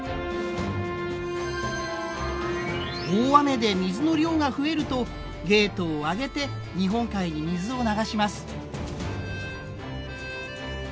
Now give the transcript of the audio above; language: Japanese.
大雨で水の量が増えるとゲートを上げて日本海に水を流します。